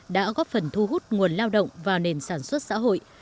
đã góp phần thu hút nguồn lao động vào nền sản xuất xã hội